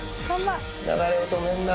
流れを止めるな。